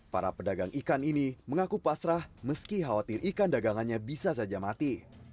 para pedagang ikan ini mengaku pasrah meski khawatir ikan dagangannya bisa saja mati